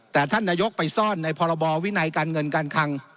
แต่ท่านนายกไปซ่อนในพรบวินัยการเงินการคัง